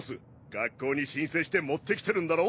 学校に申請して持って来てるんだろ？